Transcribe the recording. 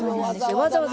わざわざ。